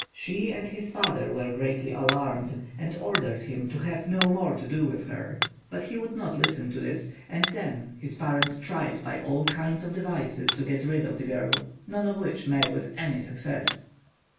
She and his father were greatly alarmed, and ordered him to have no more to do with her; but he would not listen to this, and then his parents tried by all kinds of devices to get rid of the girl, none of which met with any success.